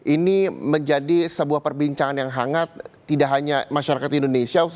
ini menjadi sebuah perbincangan yang hangat tidak hanya masyarakat indonesia